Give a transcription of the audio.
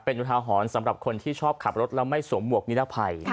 เป็นอุทาหรณ์สำหรับคนที่ชอบขับรถแล้วไม่สวมหวกนิรภัย